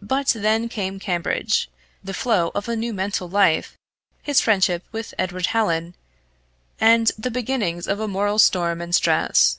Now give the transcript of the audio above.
But then came Cambridge, the flow of a new mental life, his friendship for Edward Hallin, and the beginnings of a moral storm and stress.